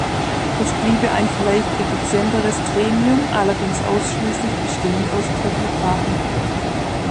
Es bliebe ein vielleicht effizienteres Gremium, allerdings ausschließlich bestehend aus Technokraten.